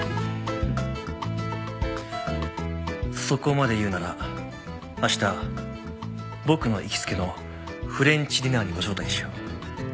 そこまで言うなら明日僕の行きつけのフレンチディナーにご招待しよう。